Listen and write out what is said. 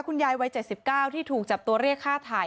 คุณยายวัย๗๙ที่ถูกจับตัวเรียกฆ่าไถ่